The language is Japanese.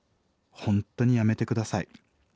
本当にやめて下さい。